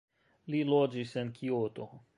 Li loĝis en Kioto.